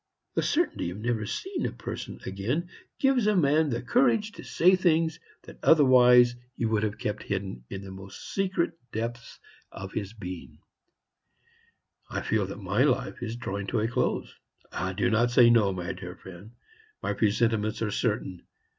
The certainty of never seeing a person again gives a man the courage to say things that otherwise he would have kept hidden in the most secret depths of his being. I feel that my life is drawing to a close. Do not say no, my dear friend; my presentiments are certain.